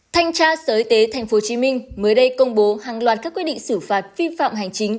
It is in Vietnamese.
thanh tra sở y tế tp hcm mới đây công bố hàng loạt các quyết định xử phạt vi phạm hành chính